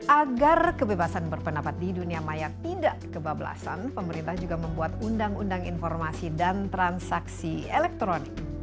agar kebebasan berpendapat di dunia maya tidak kebablasan pemerintah juga membuat undang undang informasi dan transaksi elektronik